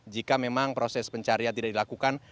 jika memang proses pencarian tidak dilakukan